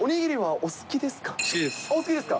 お好きですか。